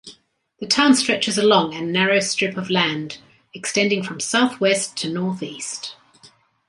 The town stretches along and narrow strip of land, extending from southwest to northeast.